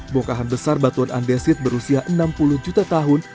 bongkahan besar batuan andesit berusia enam puluh juta tahun